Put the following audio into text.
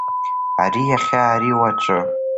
Ари иахьа, ари уаҵәы.